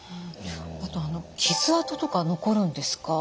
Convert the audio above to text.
あと傷あととか残るんですか？